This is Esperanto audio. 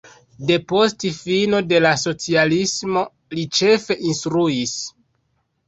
Depost fino de la socialismo li ĉefe instruis.